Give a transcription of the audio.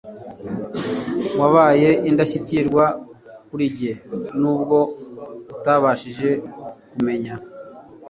wabaye indashyikirwa kurinjye nubwo utabashije kumenya